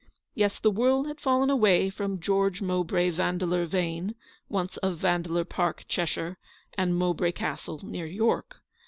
Yes, the world had fallen away from George Mowbray Vandeleur Vane, once of Vandeleur Park, Cheshire, and Mowbray Castle, near York.